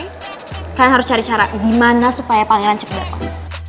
kalian harus cari cara gimana supaya pangeran cepet dateng